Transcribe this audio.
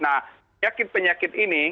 nah penyakit penyakit ini